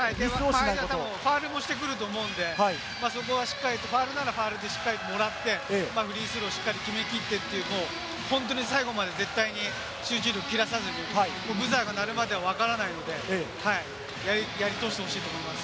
ファウルもしてくると思うんで、そこはしっかりとファウルならファウルでしっかりともらって、フリースローをしっかり決め切ってという、本当に最後まで絶対に集中力切らさないで、ブザーが鳴るまでわからないので、やり通してほしいと思います。